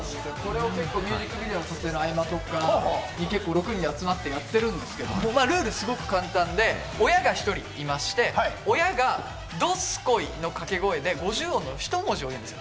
ミュージックビデオの撮影の合間とか６人集まってやってるんですけれど、ルールがすごく簡単で、親が１人いまして、親が「どすこい」の掛け声で５０音のひと文字を言うんです。